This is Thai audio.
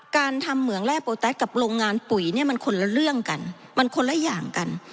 การทำเหมืองแร่โปแต๊กกับโรงงานปุ๋ยเนี่ยมันคนละเรื่องกันมันคนละอย่างกัน